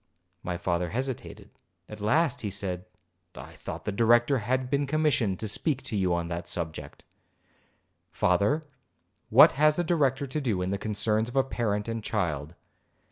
My father hesitated; at last he said, 'I thought the Director had been commissioned to speak to you on that subject.' 'Father, what has a Director to do in the concerns of a parent and child?